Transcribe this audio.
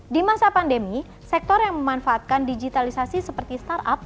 di masa pandemi sektor yang memanfaatkan digitalisasi seperti startup